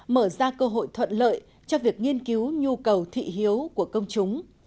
mở ra cơ hội thuận lợi cho việc nghiên cứu nhu cầu thị hiếu của công chúng